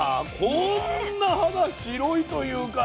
こんな肌白いというかね。